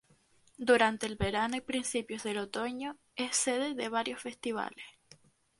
Durante el verano y principios del otoño, es sede de varios festivales.